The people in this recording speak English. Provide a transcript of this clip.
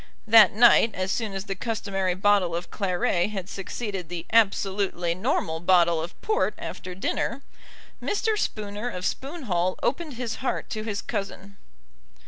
That night, as soon as the customary bottle of claret had succeeded the absolutely normal bottle of port after dinner, Mr. Spooner of Spoon Hall opened his heart to his cousin.